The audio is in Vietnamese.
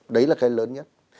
đấy là cái lớn nhất